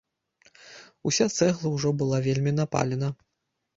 Уся цэгла ўжо была вельмі напалена.